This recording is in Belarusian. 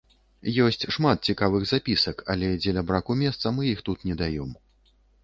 Ёсць шмат цікавых запісак, але дзеля браку месца мы іх тут не даём.